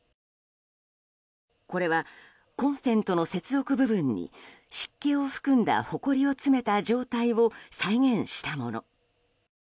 これはコンセントの接続部分に湿気を含んだほこりを詰めた状態を再現したもの。